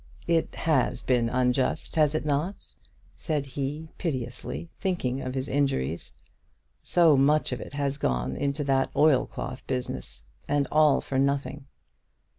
"It has been unjust, has it not?" said he, piteously, thinking of his injuries. "So much of it has gone in that oilcloth business, and all for nothing!"